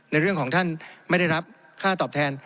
ในเรื่องของท่านไม่ได้รับค่าตอบแทน